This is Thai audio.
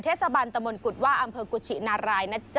สบันตะมนต์กุฎว่าอำเภอกุชินารายนะจ๊